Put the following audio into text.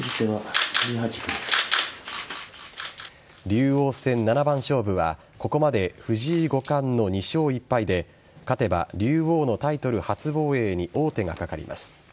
竜王戦七番勝負はここまで藤井五冠の２勝１敗で勝てば竜王のタイトル初防衛に王手がかかります。